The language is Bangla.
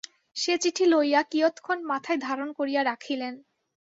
সে চিঠি লইয়া কিয়ৎক্ষণ মাথায় ধারণ করিয়া রাখিলেন।